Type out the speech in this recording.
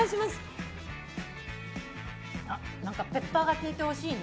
ペッパーが効いておいしいね。